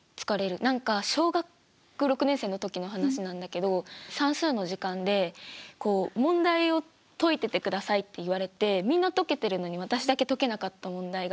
何か小学６年生の時の話なんだけど算数の時間でこう問題を解いててくださいって言われてみんな解けてるのに私だけ解けなかった問題があって。